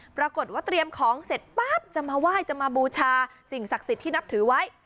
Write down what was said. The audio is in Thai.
ปรากฏว่าเตรียมของเสร็จปั๊บจะมาไหว้จะมาบูชาสิ่งศักดิ์สิทธิ์ที่นับถือไว้